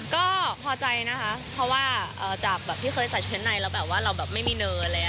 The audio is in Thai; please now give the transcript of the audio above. ก็พอใจนะคะเพราะว่าจากที่เคยใส่เชื้อนในเราแบบไม่มีเนินอะไร